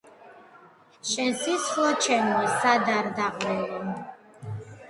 შენ სისხლო ჩემო სად არ დაღვრილო